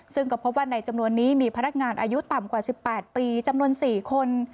ซึ่งก็พบว่าในจำนวนนี้มีพนักงานอายุต่ำกว่า๑๘ปีจำนวน๔คน